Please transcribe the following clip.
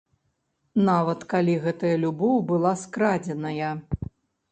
Нават калі гэтая любоў была скрадзеная.